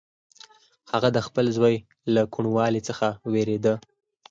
هغه د خپل زوی له کوڼوالي څخه وېرېده.